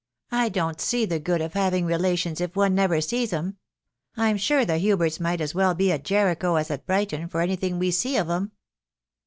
" I don't see the good of having relations, if one never sees 'em. I'm sure the Huberts might as well be at Jericho as at Brighton, for anything we see of 'em."